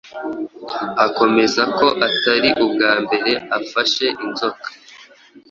akemeza ko atari ubwa mbere afashe inzoka